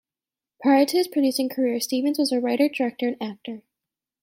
Prior to his producing career, Stevens was a writer, director, and actor.